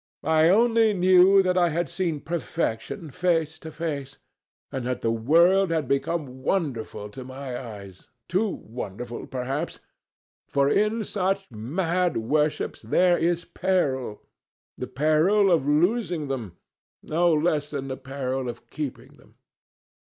I only knew that I had seen perfection face to face, and that the world had become wonderful to my eyes—too wonderful, perhaps, for in such mad worships there is peril, the peril of losing them, no less than the peril of keeping them....